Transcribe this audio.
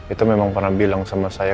itu memang pernah bilang sama saya